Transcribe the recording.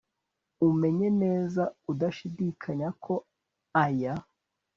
umenye neza udashidikanya, ko aya